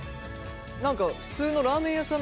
何か普通のラーメン屋さんの麺。